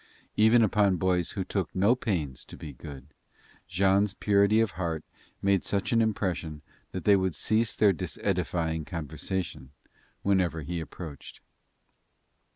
Even upon boys who took no pains to be good, Jean's purity of heart made such an impression that they would cease their disedifying conversation whenever he approached.